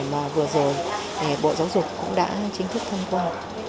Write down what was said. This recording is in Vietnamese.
mà vừa rồi bộ giáo dục cũng đã chính thức thông qua